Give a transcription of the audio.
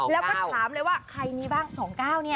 แล้วก็ถามเลยว่าใครมีบ้าง๒๙เนี่ย